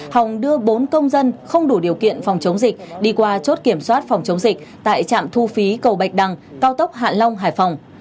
hồng đưa bốn công dân không đủ điều kiện phòng chống dịch đi qua chốt kiểm soát phòng chống dịch tại trạm thu phí cầu bạch đằng cao tốc hạ long hải phòng